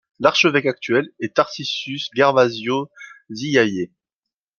L'archevêque actuel est Tarcisius Gervazio Ziyaye.